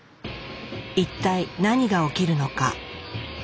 一体何がおきるのか。